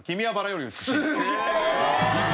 すげえ！